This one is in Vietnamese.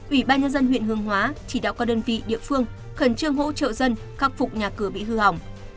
ủy ban nhân dân huyện hương hóa chỉ đạo các đơn vị địa phương khẩn trương hỗ trợ dân khắc phục nhà cửa bị hư hỏng